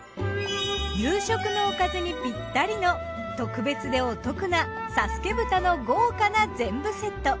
夕食のおかずにぴったりの特別でお得な佐助豚の豪華な全部セット。